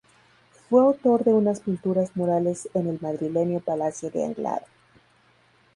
Fue autor de unas pinturas murales en el madrileño Palacio de Anglada.